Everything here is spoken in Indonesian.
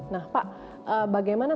nah pak bagaimana